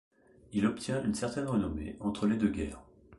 Il obtient une certaine renommée entre les deux guerres.